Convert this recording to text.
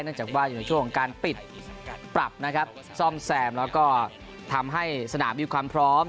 จากว่าอยู่ในช่วงของการปิดปรับนะครับซ่อมแซมแล้วก็ทำให้สนามมีความพร้อม